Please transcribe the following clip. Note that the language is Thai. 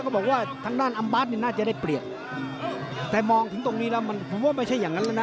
บอกว่าทางด้านอัมบาร์ดเนี่ยน่าจะได้เปรียบแต่มองถึงตรงนี้แล้วมันผมว่าไม่ใช่อย่างนั้นแล้วนะ